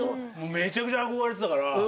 めちゃくちゃ憧れてたから。